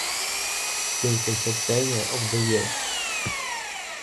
King Entertainer of the Year.